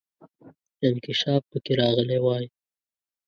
انکشاف پکې راغلی وای.